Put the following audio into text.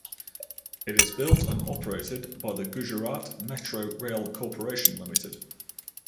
It is built and operated by the Gujarat Metro Rail Corporation Limited.